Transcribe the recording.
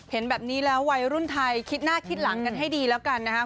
เห็นแบบนี้แล้ววัยรุ่นไทยคิดหน้าคิดหลังกันให้ดีแล้วกันนะครับ